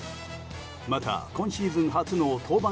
また今シーズン初の登板